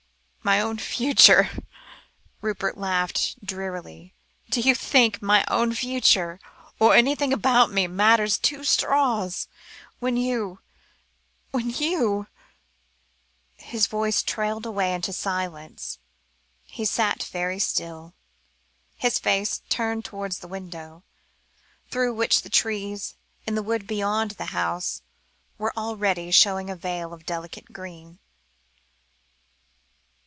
"My own future," Rupert laughed drearily. "Do you think my own future, and anything about me, matters two straws, when you when you" his voice trailed away into silence. He sat very still, his face turned towards the window, through which the trees in the wood beyond the house, were already showing a veil of delicate green.